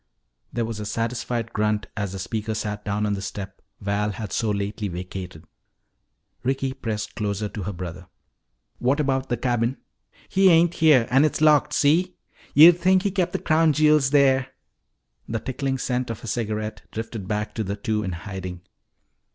There was a satisfied grunt as the speaker sat down on the step Val had so lately vacated. Ricky pressed closer to her brother. "What about the cabin?" "He ain't here. And it's locked, see? Yuh'd think he kept the crown jewels there." The tickling scent of a cigarette drifted back to the two in hiding.